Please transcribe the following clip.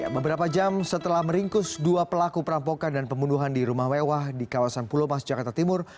beberapa jam setelah meringkus dua pelaku perampokan dan pembunuhan di rumah mewah di kawasan pulau mas jakarta timur